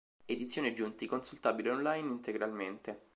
Edizione Giunti consultabile online integralmente